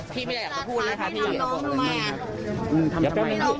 พี่ไม่ได้อยากจะพูดนะคะพี่